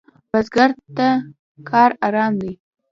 بزګر ته کار آرام دی